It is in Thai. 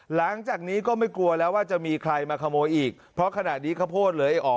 หลังจากนี้ก็ไม่กลัวแล้วว่าจะมีใครมาขโมยอีกเพราะขณะนี้ข้าวโพดเหลือไอ้อ๋อ